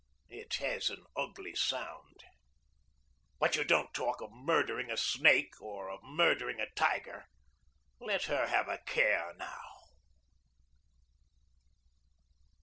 It has an ugly sound. But you don't talk of murdering a snake or of murdering a tiger. Let her have a care now.